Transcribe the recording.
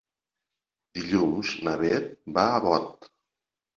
Dilluns na Beth va a Bot.